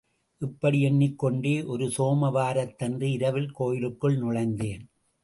இப்படி எண்ணிக்கொண்டே ஒரு சோமவாரத்தன்று இரவில் கோயிலுக்குள் நுழைந்தேன்.